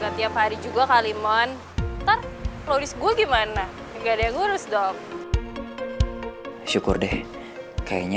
tiap hari juga kalimon ntar nulis gue gimana enggak ada yang ngurus dong syukur deh kayaknya